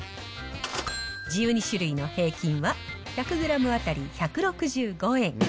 １２種類の平均は１００グラム当たり１６５円。